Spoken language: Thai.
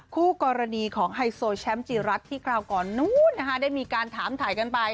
คู่กรณีของไฮโซแชมป์จีรัตนที่คราวก่อนนู้นนะคะได้มีการถามถ่ายกันไป